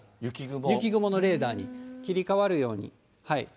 雪雲のレーダーに切り替わるように。